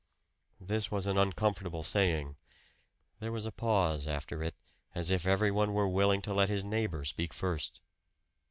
This was an uncomfortable saying. There was a pause after it, as if everyone were willing to let his neighbor speak first.